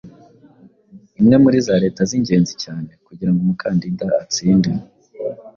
imwe muri za leta z'ingenzi cyane kugira ngo umukandida atsinde